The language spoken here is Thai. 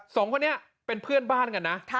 สองคนนี้เป็นเพื่อนบ้านกันนะ